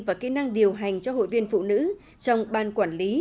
và kỹ năng điều hành cho hội viên phụ nữ trong ban quản lý